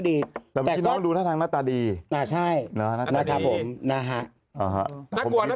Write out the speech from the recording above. ดีน้องดูท่าทางน่าตาดีเออใช่น่าครับผมนะฮะน่ากว